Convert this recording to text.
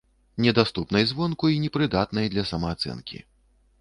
Недаступнай звонку й непрыдатнай для самаацэнкі.